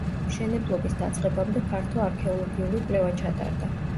მშენებლობის დაწყებამდე ფართო არქეოლოგიური კვლევა ჩატარდა.